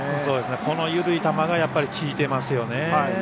この緩い球が効いてますよね。